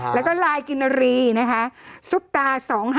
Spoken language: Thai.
แล้วก็ลายกินรีนะคะซุปตา๒๕๖